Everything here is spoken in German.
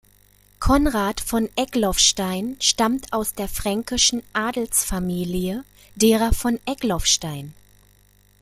Konrad von Egloffstein stammt aus der fränkischen Adelsfamilie derer von Egloffstein.